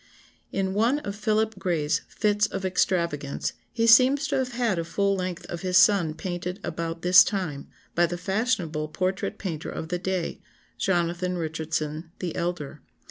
*] "In one of Philip Gray's fits of extravagance he seems to have had a full length of his son painted about this time, by the fashionable portrait painter of the day, Jonathan Richardson the elder.